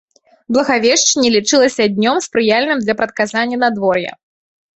Благавешчанне лічылася днём, спрыяльным для прадказання надвор'я.